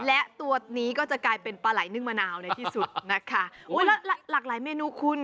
และตัวนี้ก็จะกลายเป็นปลาไหลนึ่งมะนาวในที่สุดนะคะโอ้ยแล้วหลากหลายเมนูคุณ